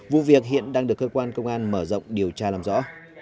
vụ việc hiện đang được cơ quan công an mở rộng điều tra làm rõ